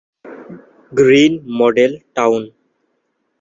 Green Model town.